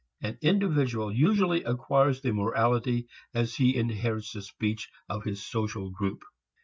An individual usually acquires the morality as he inherits the speech of his social group.